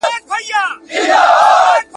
ما لیدې چي به په توره شپه کي راسې ..